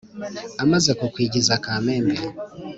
Amaze kukwigiza Kamembe